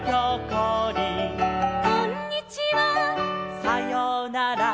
「こんにちは」「さようなら」